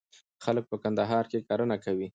خلک په کندهار کي کرنه کوي.